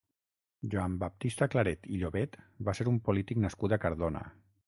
Joan Baptista Claret i Llobet va ser un polític nascut a Cardona.